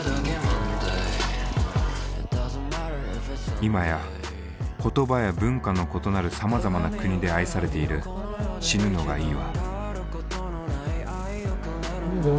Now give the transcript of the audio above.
今や言葉や文化の異なるさまざまな国で愛されている「死ぬのがいいわ」。